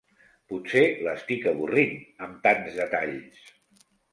Potser l'estic avorrint, amb tants detalls.